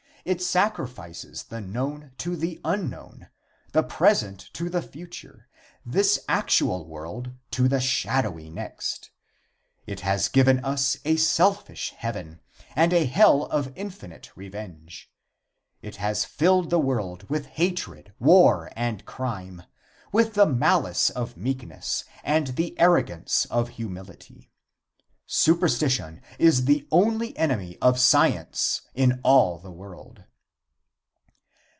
It sacrifices the known to the unknown, the present to the future, this actual world to the shadowy next. It has given us a selfish heaven, and a hell of infinite revenge; it has filled the world with hatred, war and crime, with the malice of meekness and the arrogance of humility. Superstition is the only enemy of science in all the world.